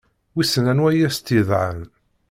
Wissen anwa i as-tt-yedɛan.